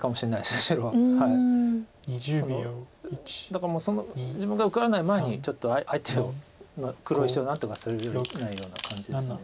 だからもう自分が受からない前にちょっと相手の黒石を何とかするぐらいなような感じです。